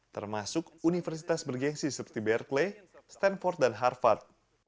termasuk universitas bergensi seperti berkeley stanford dan harvard